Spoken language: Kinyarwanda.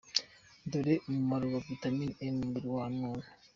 Dore umumaro wa vitamine E mu mubiri w’umuntu.